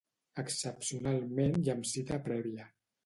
Excepcionalment i amb cita prèvia.